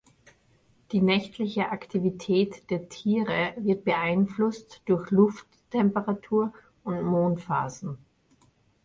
Die nächtliche Aktivität der Tiere wird beeinflusst durch Lufttemperatur und Mondphasen.